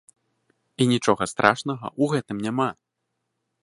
І нічога страшнага ў гэтым няма!